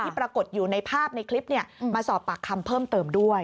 ปรากฏอยู่ในภาพในคลิปมาสอบปากคำเพิ่มเติมด้วย